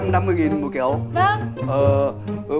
một trăm năm mươi nghìn một kiểu